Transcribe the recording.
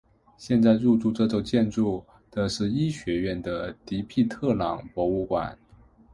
现在入驻这座建筑的是医学院的迪皮特朗博物馆。